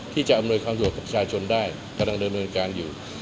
ที่จะอำนวยความสะดวกกับชาชนได้กำลังเริ่มโดยการอยู่